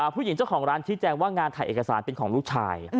ผู้หญิงเจ้าของร้านชี้แจงว่างานถ่ายเอกสารเป็นของลูกชาย